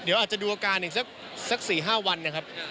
เดี๋ยวอาจจะดูอาการอีกสัก๔๕วันนะครับ